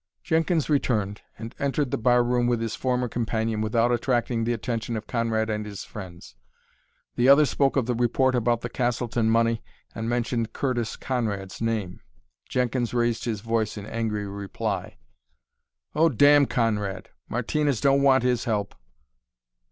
Jenkins returned, and entered the bar room with his former companion without attracting the attention of Conrad and his friends. The other spoke of the report about the Castleton money and mentioned Curtis Conrad's name. Jenkins raised his voice in angry reply: "Oh, damn Conrad! Martinez don't want his help!"